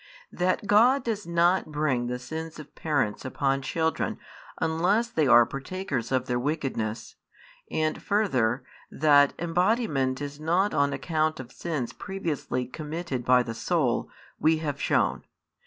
That God does not bring the sins of parents upon children unless they are partakers of their wickedness, and further, that embodiment is not on account of sins previously committed by the soul, we have shown.